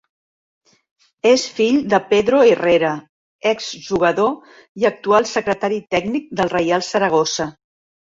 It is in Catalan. És fill de Pedro Herrera, exjugador i actual secretari tècnic del Reial Saragossa.